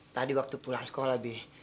tadi waktu pulang sekolah lebih